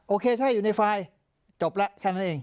โอเคถ้าอยู่ในไฟล์จบแล้วแค่นั้นเอง